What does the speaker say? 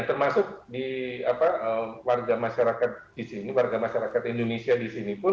termasuk di warga masyarakat di sini warga masyarakat indonesia di sini pun